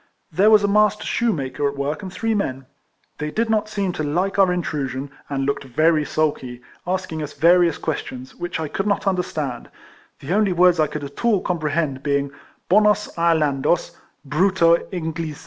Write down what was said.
There was a master shoe maker at work and three men. They did not seem to hke our intrusion, and looked RIFLEMAN HARRIS. 101 very sulky, asking us various questions, which I could not understand; the only words I could at all comprehend being " Bonos Irelandos, Brutu Englisa."